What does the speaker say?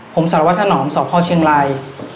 ผมสารวัฒนอมสพเชียงราย